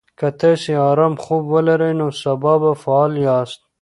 که تاسي ارام خوب ولرئ، نو سبا به فعال یاست.